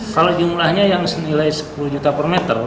kalau jumlahnya yang senilai sepuluh juta per meter